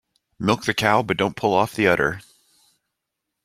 Milk the cow but don't pull off the udder.